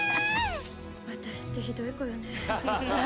私ってひどい子よね。